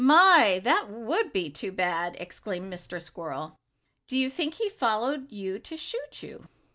"My, that would be too bad!" exclaimed Mr. Squirrel. "Do you think he followed you to shoot you?"